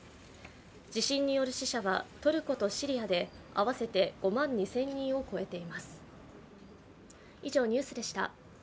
地震による死者はトルコとシリアで合わせて５万２０００人を超えています。